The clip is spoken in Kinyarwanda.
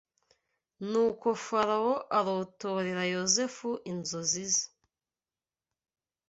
Nuko Farawo arotorera Yozefu inzozi ze